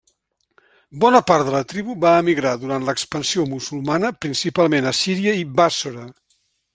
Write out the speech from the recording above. Bona part de la tribu va emigrar durant l'expansió musulmana principalment a Síria i Bàssora.